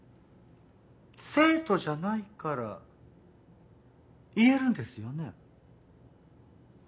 生徒じゃないから言えるんですよね？